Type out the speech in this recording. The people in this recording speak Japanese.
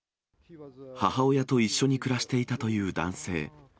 母親と一緒に暮らしていたという男性。